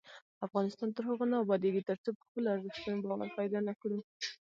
افغانستان تر هغو نه ابادیږي، ترڅو په خپلو ارزښتونو باور پیدا نکړو.